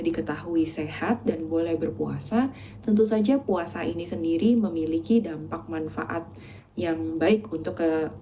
diketahui sehat dan boleh berpuasa tentu saja puasa ini sendiri memiliki dampak manfaat yang baik untuk